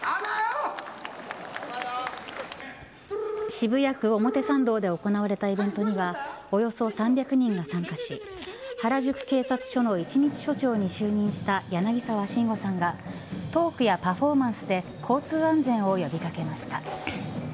渋谷区表参道で行われたイベントにはおよそ３００人が参加し原宿警察署の一日署長に就任した柳沢慎吾さんがトークやパフォーマンスで交通安全を呼び掛けました。